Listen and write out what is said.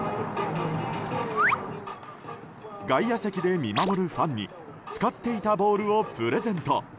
外野席で見守るファンに使っていたボールをプレゼント。